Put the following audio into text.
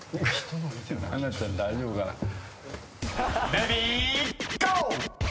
［レディーゴー！］